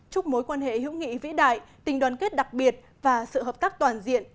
chúc mối quan hệ hữu nghị vĩ đại tình đoàn kết đặc biệt và sự hợp tác toàn diện